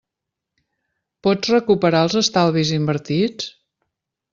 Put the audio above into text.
Pots recuperar els estalvis invertits?